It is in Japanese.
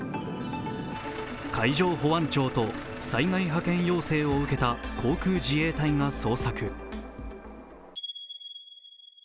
海上保安庁と災害派遣要請を受けた航空自衛隊が捜索。